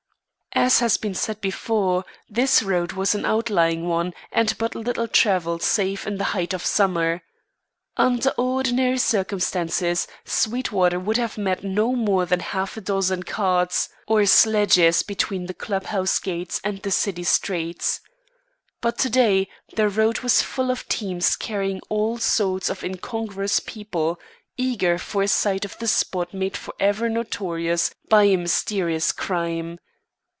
As has been said before, this road was an outlying one and but little travelled save in the height of summer. Under ordinary circumstances Sweetwater would have met not more than a half dozen carts or sledges between the club house gates and the city streets. But to day, the road was full of teams carrying all sorts of incongruous people, eager for a sight of the spot made forever notorious by a mysterious crime.